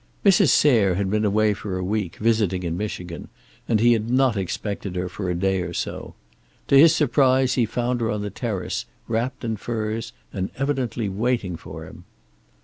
Mrs. Sayre had been away for a week, visiting in Michigan, and he had not expected her for a day or so. To his surprise he found her on the terrace, wrapped in furs, and evidently waiting for him.